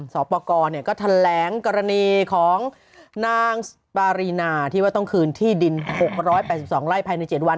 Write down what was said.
สอบประกอบก็แถลงกรณีของนางปารีนาที่ว่าต้องคืนที่ดิน๖๘๒ไร่ภายใน๗วัน